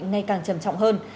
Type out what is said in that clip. ngay càng trầm trọng hơn